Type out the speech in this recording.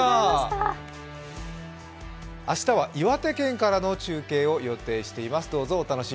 明日は岩手県からの中継を予定しています。